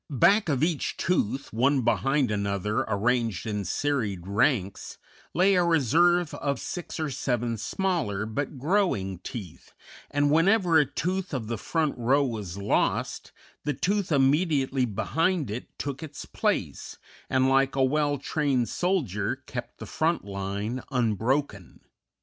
Back of each tooth, one behind another arranged in serried ranks, lay a reserve of six or seven smaller, but growing teeth, and whenever a tooth of the front row was lost, the tooth immediately behind it took its place, and like a well trained soldier kept the front line unbroken.